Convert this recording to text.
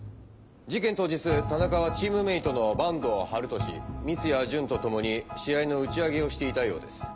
事件当日田中はチームメートの板東春敏三ツ矢純と共に試合の打ち上げをしていたようです。